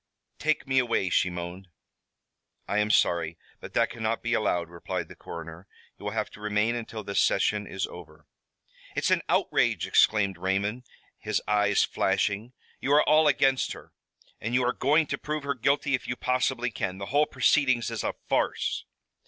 "Take me away," she moaned. "I am sorry, but that cannot be allowed," replied the coroner. "You will have to remain until this session is over." "It's an outrage!" exclaimed Raymond, his eyes flashing. "You are all against her, and you are going to prove her guilty if you possibly can. The whole proceedings is a farce."